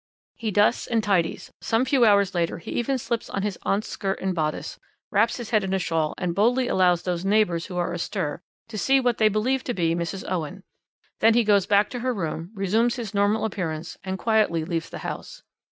He dusts and tidies; some few hours later he even slips on his aunt's skirt and bodice, wraps his head in a shawl, and boldly allows those neighbours who are astir to see what they believe to be Mrs. Owen. Then he goes back to her room, resumes his normal appearance and quietly leaves the house."